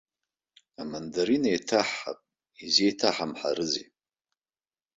Амандарина еиҭаҳҳап, изеиҭаҳамҳарызеи!